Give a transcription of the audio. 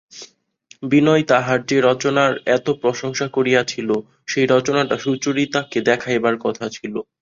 বিনয় তাহার যে রচনার এত প্রশংসা করিয়াছিল সেই রচনাটা সুচরিতাকে দেখাইবার কথা ছিল।